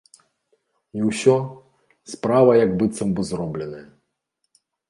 І ўсё, справа як быццам бы зробленая.